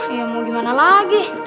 yah mau gimana lagi